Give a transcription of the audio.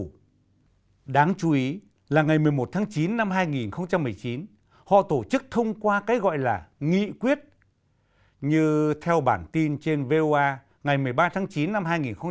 điều đáng chú ý là ngày một mươi một tháng chín năm hai nghìn một mươi chín họ tổ chức thông qua cái gọi là nghị quyết như theo bản tin trên voa ngày một mươi ba tháng chín năm hai nghìn hai mươi